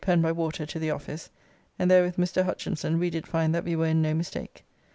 Pen by water to the office, and there with Mr. Huchinson we did find that we were in no mistake.